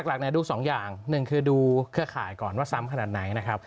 หลักดูสองอย่างหนึ่งคือดูเครือข่ายก่อนว่าซ้ำขนาดไหนนะครับ